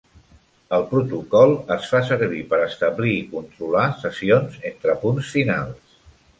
El protocol es fa servir per establir i controlar sessions entre punts finals.